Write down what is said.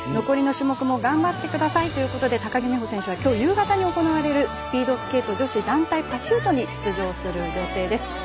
残りの種目も頑張ってくださいということで高木美帆選手はきょう、夕方に行われるスピードスケート女子団体パシュートに出場する予定です。